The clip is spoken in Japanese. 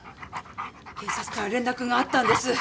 警察から連絡があったんです。